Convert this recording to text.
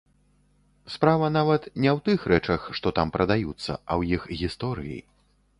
Справа, нават, не ў тых рэчах, што там прадаюцца, а ў іх гісторыі.